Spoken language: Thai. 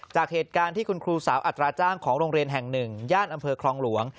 จากเหตุการณ์ที่คุณครูสาวอัตราจ้างของโรงเรียนแห่งหนึ่งย่านอำเภอคลองหลวง